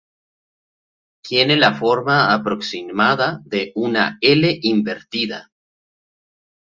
Tiene la forma aproximada de una L invertida.